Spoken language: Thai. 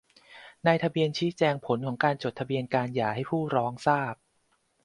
นายทะเบียนชี้แจงผลของการจดทะเบียนการหย่าให้ผู้ร้องทราบ